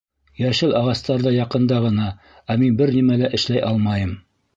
Йәшел ағастар ҙа яҡында ғына, ә мин бер нимә лә эшләй алмайым.